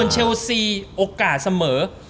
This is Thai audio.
เชลซีโอกาสเสมอ